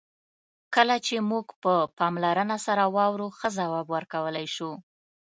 کله چې موږ په پاملرنه سره واورو، ښه ځواب ورکولای شو.